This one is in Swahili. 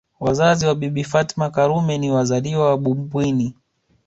Wazazi wa Bibi Fatma Karume ni wazaliwa wa Bumbwini